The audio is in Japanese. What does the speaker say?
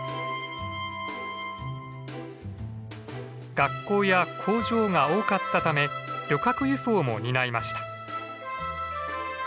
学校や工場が多かったため旅客輸送も担いました。